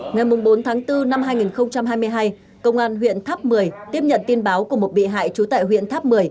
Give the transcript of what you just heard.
ngày bốn tháng bốn năm hai nghìn hai mươi hai công an huyện tháp một mươi tiếp nhận tin báo của một bị hại trú tại huyện tháp một mươi